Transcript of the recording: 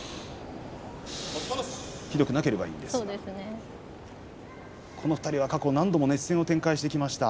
ひどくなければいいんですがこの２人は過去、何度も熱戦を展開してきました。